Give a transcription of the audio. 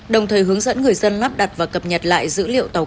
đồng thời hướng dẫn người dân lắp đặt và cập nhật lại dữ liệu tàu xa khơi